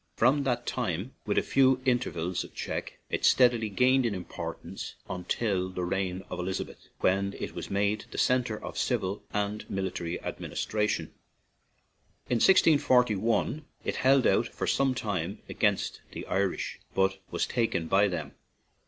From that time, with a few intervals of check, it steadily gained in importance until the reign of Elizabeth, when it was made the centre of civil and military ad ministration. In 1641 it held out for some time against the Irish, but was taken by them.